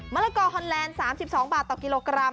ละกอฮอนแลนด์๓๒บาทต่อกิโลกรัม